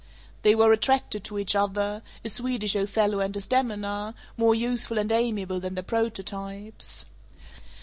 They were attracted to each other; a Swedish Othello and Desdemona, more useful and amiable than their prototypes.